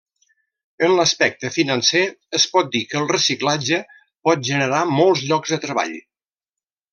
En l'aspecte financer, es pot dir que el reciclatge pot generar molts llocs de treball.